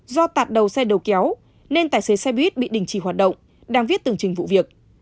do tạt đầu xe đầu kéo nên tài xế xe buýt bị đình chỉ hoạt động đang viết tưởng trình vụ việc